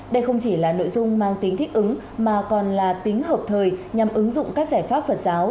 đây không chỉ là nội dung mang tính thích ứng mà còn là tính hợp thời nhằm ứng dụng các giải pháp phật giáo